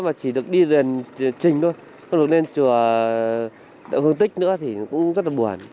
mà chỉ được đi đền trình thôi không được lên chùa hương tích nữa thì cũng rất là buồn